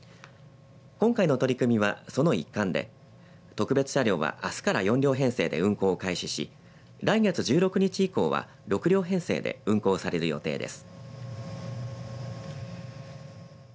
今回の取り組みは、その一環で特別車両はあすから４両編成で運行を開始し来月１６日以降は６両編成で運行される予定です。